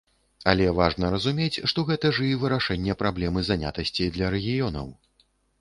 Але важна разумець, што гэта ж і вырашэнне праблемы занятасці для рэгіёнаў.